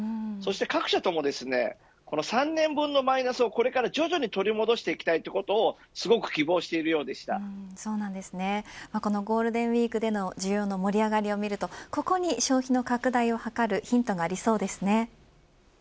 各社とも３年分のマイナスをこれから徐々に取り戻していきたいとゴールデンウイークでの需要の盛り上がりを見るとここに消費の拡大を図るヒントがありそうですね。